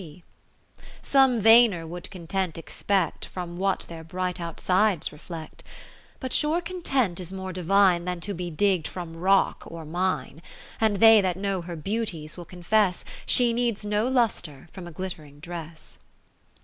Conte72t^ To my dearest Lucasia III Some vainer would Content ex pect From what their bright outsides reflect : But sure Content is more divine Than to be digg'd from rock or mine : And they that know her beauties will confess, She needs no lustre from a glittering dress.